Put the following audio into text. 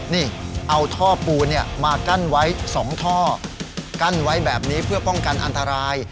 นี่เอาท่อปูนมากั้นไว้๒ท่อกั้นไว้แบบนี้เพื่อป้องกันอันตราย